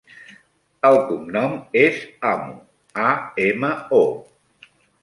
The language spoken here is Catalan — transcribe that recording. El cognom és Amo: a, ema, o.